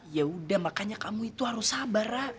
ya udah makanya kamu itu harus sabar